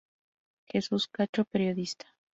Jesús Cacho, periodista.